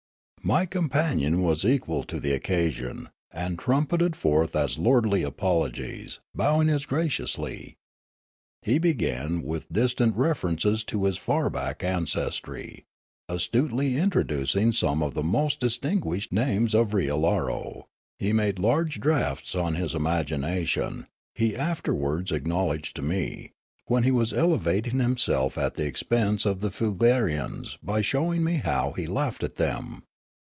My companion was equal to the occasion, and trumpeted forth as lordly apologies, bowing as graciously. He began with distant references to his far back ancestry, astutely introducing some of the most distinguished names of Riallaro ; he made large draughts on his imagination, he afterwards acknow 222 Riallaro ledged to me, when he was elevating himself at the expense of the Foolgarians b}^ showing me how he laughed at them.